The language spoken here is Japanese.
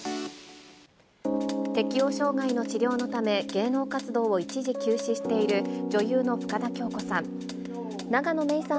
適応障害の治療のため、芸能活動を一時休止している女優の深田恭子さん。